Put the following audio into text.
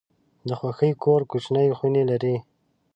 د خوښۍ کور کوچني خونې لري.